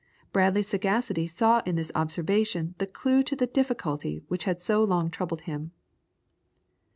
Bradley's sagacity saw in this observation the clue to the Difficulty which had so long troubled him.